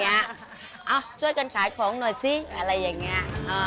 เอ้าช่วยกันขายของหน่อยสิอะไรอย่างนี้